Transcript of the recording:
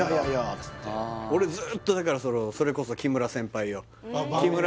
っつって俺ずーっとだからそのそれこそ木村先輩よ